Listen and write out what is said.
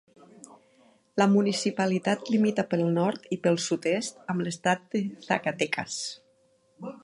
La municipalitat limita pel nord i pel sud-est amb l'estat de Zacatecas.